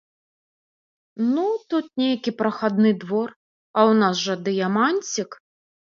Ну, тут нейкі прахадны двор, а ў нас жа дыяманцік.